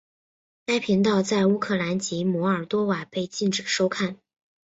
该频道在乌克兰及摩尔多瓦被禁止收看。